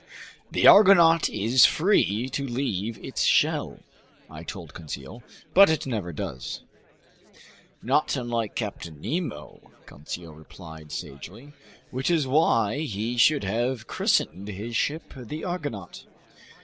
"The argonaut is free to leave its shell," I told Conseil, "but it never does." "Not unlike Captain Nemo," Conseil replied sagely. "Which is why he should have christened his ship the Argonaut."